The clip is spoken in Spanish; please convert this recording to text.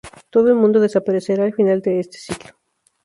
Todo el mundo desaparecerá al final de este siglo.